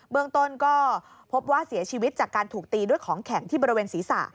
เมืองต้นก็พบว่าเสียชีวิตจากการถูกตีด้วยของแข็งที่บริเวณศีรษะ